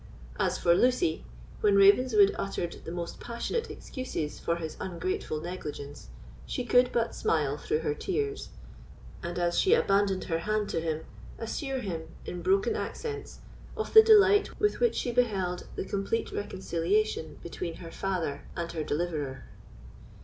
As for Lucy, when Ravenswood uttered the most passionate excuses for his ungrateful negligence, she could but smile through her tears, and, as she abandoned her hand to him, assure him, in broken accents, of the delight with which she beheld the complete reconciliation between her father and her deliverer.